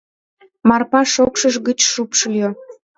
Марпа шокшыж гыч шупшыльо: